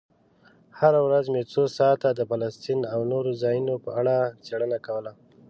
هره ورځ مې څو ساعته د فلسطین او نورو ځایونو په اړه څېړنه کوله.